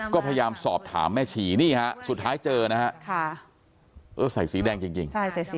ก็พยายามสอบถามแม่ชีนี่ฮะสุดท้ายเจอนะฮะเออใส่สีแดงจริง